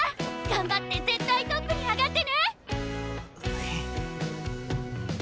頑張って絶対トップに上がってね！へへ。